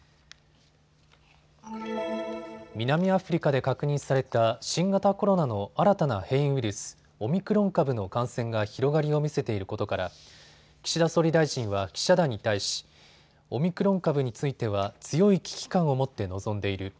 南アフリカで確認された新型コロナの新たな変異ウイルス、オミクロン株の感染が広がりを見せていることから岸田総理大臣は記者団に対しオミクロン株については強い危機感を持って臨んでいる。